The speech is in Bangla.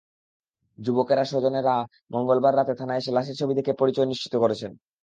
যুবকের স্বজনেরা মঙ্গলবার রাতে থানায় এসে লাশের ছবি দেখে পরিচয় নিশ্চিত করেছেন।